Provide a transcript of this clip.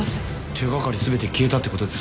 手掛かり全て消えたってことですか？